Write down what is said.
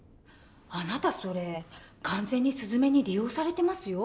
あなたそれ完全にすずめに利用されてますよ。